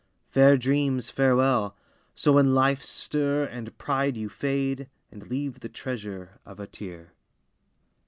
Fair dreams, farewell! So in life's stir and pride You fade, and leave the treasure of a tear!